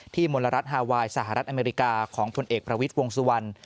มลรัฐฮาไวน์สหรัฐอเมริกาของผลเอกประวิทย์วงสุวรรณ